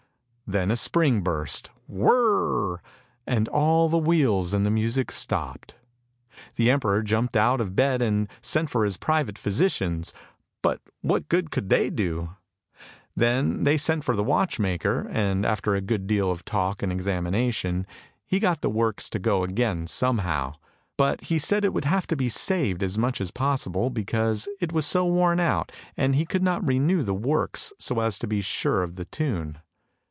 Then a spring burst, " whirr " went all the wheels and the music stopped. The emperor jumped out of bed and sent for his private physicians, but what good could they do? Then they sent for the watchmaker, and after a good deal of talk and examination, he got the works to go again somehow; but he said it would have to be saved as much as possible, because it was so worn out, and he could not renew 134 ANDERSEN'S FAIRY TALES the works so as to be sure of the tune.